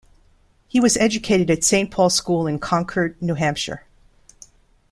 He was educated at Saint Paul's School in Concord, New Hampshire.